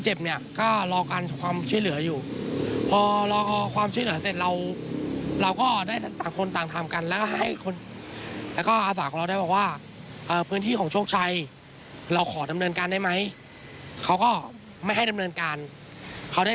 ออกมาเสร็จแล้วก็ไม่มีไหลก็เลย